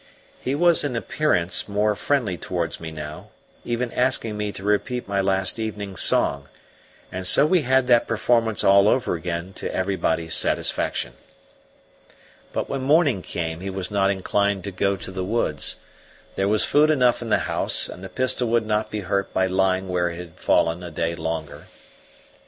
He was in appearance more friendly towards me now, even asking me to repeat my last evening's song, and so we had that performance all over again to everybody's satisfaction. But when morning came he was not inclined to go to the woods: there was food enough in the house, and the pistol would not be hurt by lying where it had fallen a day longer.